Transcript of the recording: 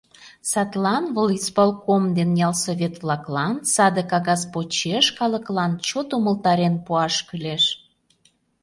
Садлан волисполком ден ялсовет-влаклан саде кагаз почеш калыклан чот умылтарен пуаш кӱлеш.